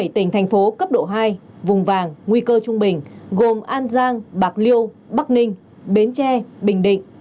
bảy tỉnh thành phố cấp độ hai vùng vàng nguy cơ trung bình gồm an giang bạc liêu bắc ninh bến tre bình định